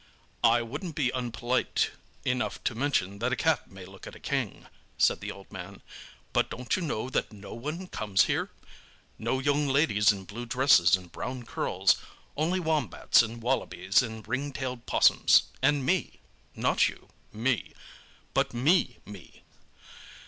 "I won't be unpolite enough to mention that a cat may look at a king," said the old man. "But don't you know that no one comes here? No young ladies in blue dresses and brown curls—only wombats and wallabies, and ring tailed 'possums—and me. Not you—me, but me—me!